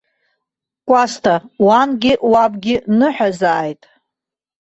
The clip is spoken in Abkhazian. Кәасҭа, уангьы уабгьы ныҳәазааит!